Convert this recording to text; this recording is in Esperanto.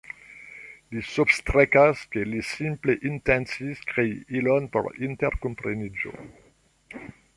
Li substrekas, ke li simple intencis krei ilon por interkompreniĝo.